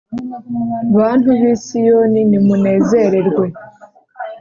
Bantu b’i Siyoni, nimunezerwe,